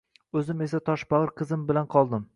O`zim esa toshbag`ir qizim bilan qoldim